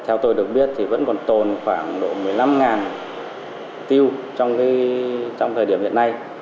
theo tôi được biết thì vẫn còn tồn khoảng độ một mươi năm tiêu trong thời điểm hiện nay